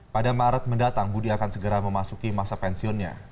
pada maret mendatang budi akan segera memasuki masa pensiunnya